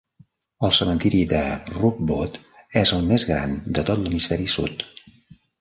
El cementiri de Rookwood és el més gran de tot l'hemisferi sud.